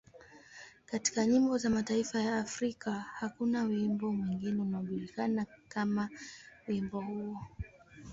Katika nyimbo za mataifa ya Afrika, hakuna wimbo mwingine unaojulikana kama wimbo huo.